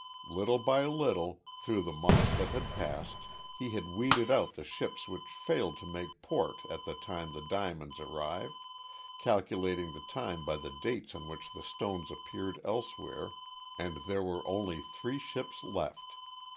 Little by little, through the months that had passed, he had weeded out the ships which failed to make port at the time the diamonds arrived calculating the time by the dates on which the stones appeared elsewhere and there were only three ships left.